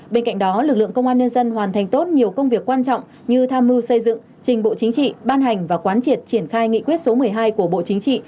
bên cạnh đó lực lượng công an nhân dân hoàn thành tốt nhiều công việc quan trọng như tham mưu xây dựng trình bộ chính trị ban hành và quán triệt triển khai nghị quyết số một mươi hai của bộ chính trị